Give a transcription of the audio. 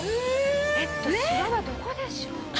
えっとしわはどこでしょう？